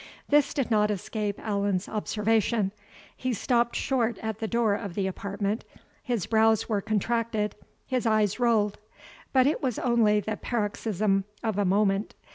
This did not escape Allan's observation; he stopt short at the door of the apartment his brows were contracted his eyes rolled; but it was only the paroxysm of a moment.